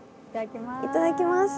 いただきます。